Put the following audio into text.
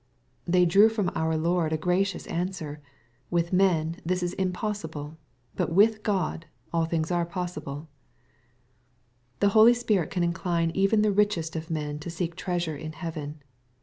They drew from our Lord a gracious answer, "With men this is impossible : but with God all things are possible/' The Holy Ghost can iacline even the richest of men to seek treasure in heaven.